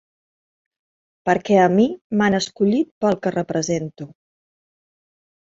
Perquè a mi m’han escollit pel que represento.